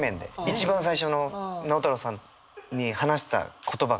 一番最初の直太朗さんに話した言葉がそれです。